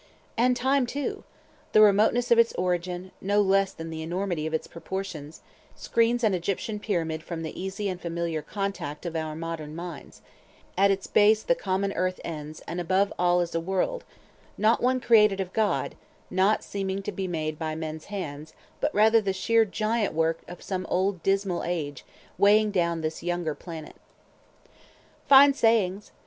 And Time too; the remoteness of its origin, no less than the enormity of its proportions, screens an Egyptian Pyramid from the easy and familiar contact of our modern minds; at its base the common earth ends, and all above is a world—one not created of God, not seeming to be made by men's hands, but rather the sheer giant work of some old dismal age weighing down this younger planet. Fine sayings!